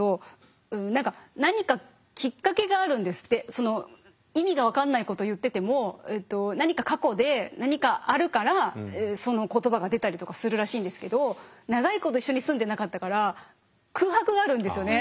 その意味が分かんないこと言ってても何か過去で何かあるからその言葉が出たりとかするらしいんですけど長いこと一緒に住んでなかったから空白があるんですよね。